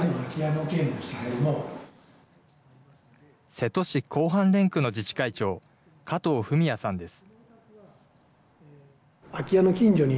瀬戸市效範連区の自治会長、加藤文弥さんです。